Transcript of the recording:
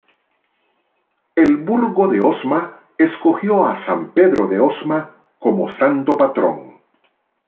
El Burgo de Osma escogió a San Pedro de Osma como santo patrón.